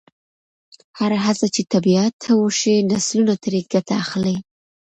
هره هڅه چې طبیعت ته وشي، نسلونه ترې ګټه اخلي.